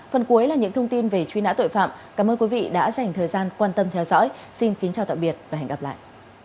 phần cuối là những thông tin về truy nã tội phạm cảm ơn quý vị đã dành thời gian quan tâm theo dõi xin kính chào tạm biệt và hẹn gặp lại